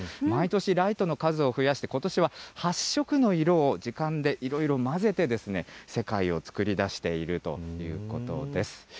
毎年、ライトの数を増やして、ことしは８色の色を時間でいろいろ混ぜて、世界を作り出しているということです。